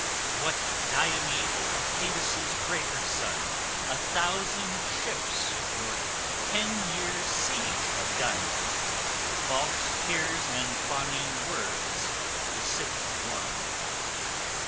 _ What Diomede or Thetis' greater son, A thousand ships, nor ten years' siege had done False tears and fawning words the city won.